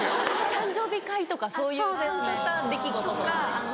誕生日会とかそういうちゃんとした出来事とかね。